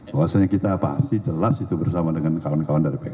bahwasannya kita pasti jelas itu bersama dengan kawan kawan dari pks